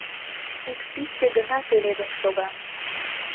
Ик писте гына пеледын шога.